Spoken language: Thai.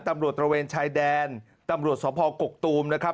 ตระเวนชายแดนตำรวจสภกกตูมนะครับ